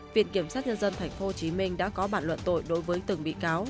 viện kiểm sát nhân dân tp hcm đã có bản luận tội đối với từng bị cáo